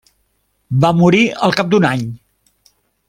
Va morir al cap d'un any.